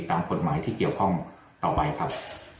ตามกฎหมายที่เกี่ยวข้องต่อไปครับ